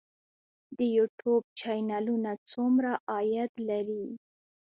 د یوټیوب چینلونه څومره عاید لري؟